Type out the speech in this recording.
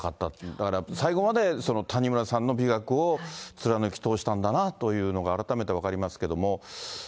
だからやっぱ、最後まで谷村さんの美学を貫き通したんだなというのが改めて分かりますけども。